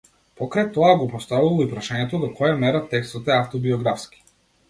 Покрај тоа го поставувал и прашањето до која мера текстот е автобиографски.